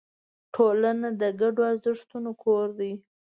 ټولنه د ګډو ارزښتونو کور دی.